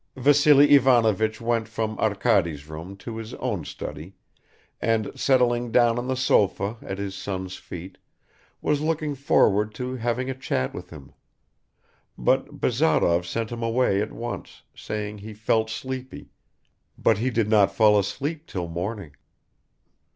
Vassily Ivanovich went from Arkady's room to his own study and, settling down on the sofa at his son's feet, was looking forward to having a chat with him; but Bazarov sent him away at once, saying he felt sleepy, but he did not fall asleep till morning.